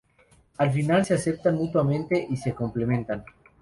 Al final se aceptan mutuamente y se complementan.